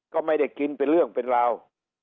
ก็ไม่ได้กินเป็นเรื่องเป็นราว